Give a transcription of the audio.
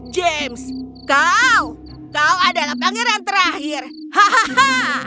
james kau kau adalah pangeran terakhir hahaha